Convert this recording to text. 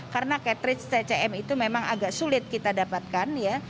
karena cartridge tcm itu memang agak sulit kita dapatkan ya